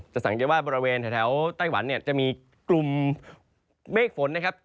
สังเกตว่าบริเวณแถวไต้หวันเนี่ยจะมีกลุ่มเมฆฝนนะครับ